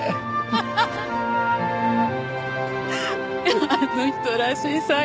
あの人らしい最期。